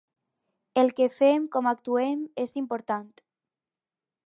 El que fem, com actuem, és important.